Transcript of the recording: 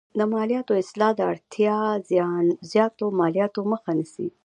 د مالیاتو اصلاح د اړتیا زیاتو مالیاتو مخه نیسي.